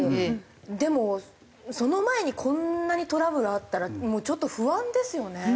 でもその前にこんなにトラブルあったらちょっと不安ですよね。